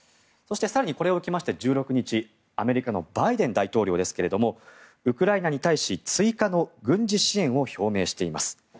そして更にこれを受けまして１６日アメリカのバイデン大統領ですがウクライナに対し、追加の軍事支援を表明しています。